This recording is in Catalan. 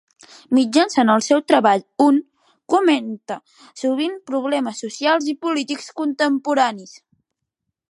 Mitjançant el seu treball Hunt comenta sovint problemes socials i polítics contemporanis.